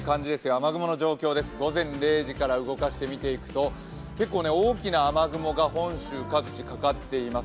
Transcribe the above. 雨雲の状況です、午前０時から動かして見ていくと結構大きな雨雲が本州各地にかかっています。